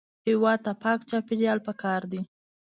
هېواد ته پاک چاپېریال پکار دی